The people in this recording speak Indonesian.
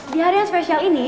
di hari yang spesial ini